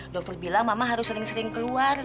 dokter bilang mama harus sering sering keluar